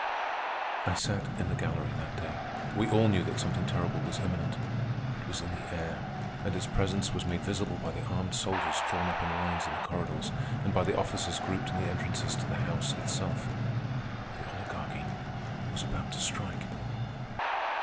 I sat in the gallery that day. We all knew that something terrible was imminent. It was in the air, and its presence was made visible by the armed soldiers drawn up in lines in the corridors, and by the officers grouped in the entrances to the House itself. The Oligarchy was about to strike.